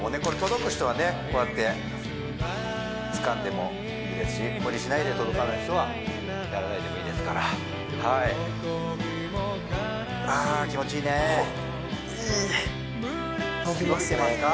これ届く人はねこうやってつかんでもいいですし無理しないで届かない人はやらないでもいいですからあ気持ちいいねほっい